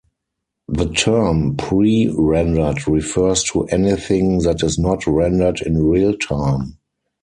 The term pre-rendered refers to anything that is not rendered in real-time.